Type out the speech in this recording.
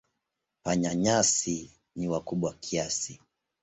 Panya-nyasi ni wakubwa kiasi.